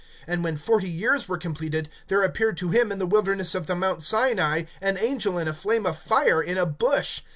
(30)And when forty years were completed, there appeared to him in the wilderness of the mount Sinai an angel in a flame of fire, in a bush.